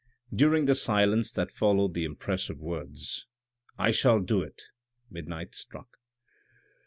During the silence that followed the impressive words, " I shall do it," midnight struck.